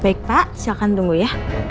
baik pak silahkan tunggu ya